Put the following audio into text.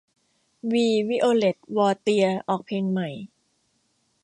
วี วิโอเล็ต วอเตียร์ ออกเพลงใหม่